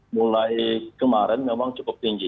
mulai kemarin memang cukup tinggi